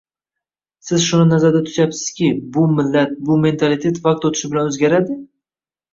Siz shuni nazarda tutyapsizmi, bu millat, bu mentalitet vaqt oʻtishi bilan oʻzgaradi?